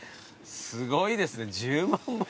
すごいですね１０万本。